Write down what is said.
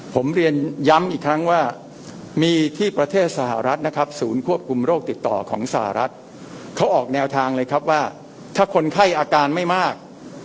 ผมเรียนย้ำอีกครั้งว่ามีที่ประเทศสหรัฐนะครับศูนย์ควบคุมโรคติดต่อของสหรัฐเขาออกแนวทางเลยครับว่าถ้าคนไข้อาการไม่มาก